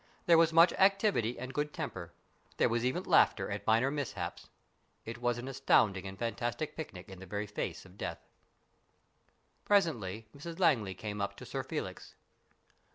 There was much activity and good temper. There was even laughter at minor mishaps. It was an astounding and fantastic picnic in the very face of death. Presently Mrs Langley came up to Sir Felix.